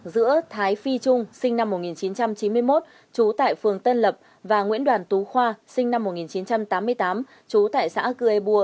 giữa thái phi trung sinh năm một nghìn chín trăm chín mươi một trú tại phường tân lập và nguyễn đoàn tú khoa sinh năm một nghìn chín trăm tám mươi tám trú tại xã cư ê bua